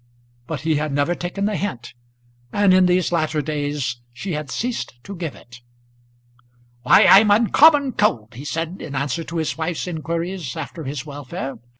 But he had never taken the hint, and in these latter days she had ceased to give it. "Why, I'm uncommon cold," he said in answer to his wife's inquiries after his welfare.